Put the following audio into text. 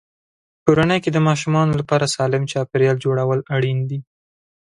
کورنۍ کې د ماشومانو لپاره سالم چاپېریال جوړول اړین دي.